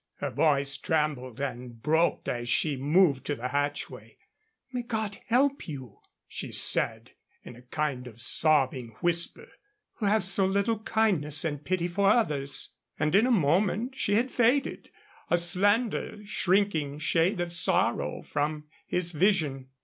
Her voice trembled and broke as she moved to the hatchway. "May God help you," she said, in a kind of sobbing whisper, "who have so little kindness and pity for others." And in a moment she had faded, a slender, shrinking shade of sorrow, from his vision.